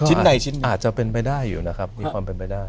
อาจจะเป็นเป็นไม่ได้อยู่นะครับมีความเป็นไปได้